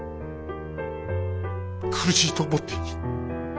苦しいと思っていい。